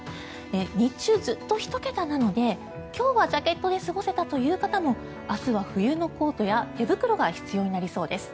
日中、ずっと１桁なので今日はジャケットで過ごせたという方も明日は冬のコートや手袋が必要になりそうです。